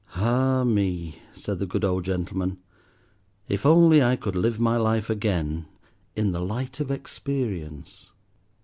"Ah, me!" said the good old gentleman, "if only I could live my life again in the light of experience."